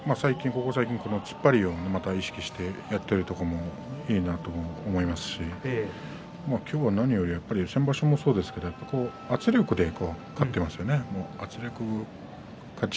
ここ最近突っ張ることを意識してやっているところもいいなと思いますし今日は何より先場所もそうですが圧力で勝っていますね。